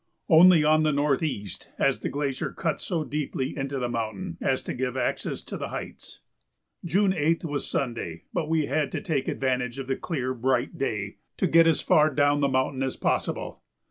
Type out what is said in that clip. Only on the northeast has the glacier cut so deeply into the mountain as to give access to the heights. June 8th was Sunday, but we had to take advantage of the clear, bright day to get as far down the mountain as possible.